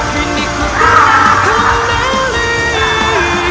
kini ku ternyata memilih